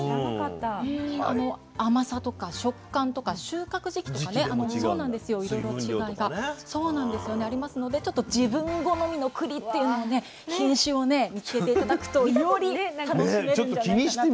甘さとか食感とか収穫時期とかねいろいろ違いがありますので自分好みのくりっていうのをね品種をね見つけて頂くとより楽しめるんじゃないかなと。